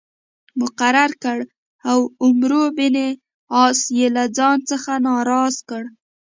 مقرر کړ او عمرو بن عاص یې له ځان څخه ناراض کړ.